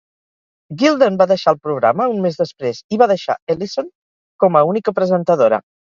Gilden va deixar el programa un mes després i va deixar Ellison com a única presentadora.